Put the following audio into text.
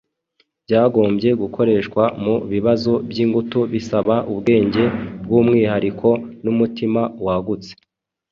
byagombye gukoreshwa mu bibazo by’ingutu bisaba ubwenge bw’umwihariko n’umutima wagutse.